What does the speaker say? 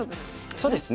そうですね。